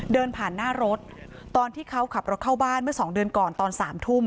เดินผ่านหน้ารถตอนที่เขาขับรถเข้าบ้านเมื่อสองเดือนก่อนตอน๓ทุ่ม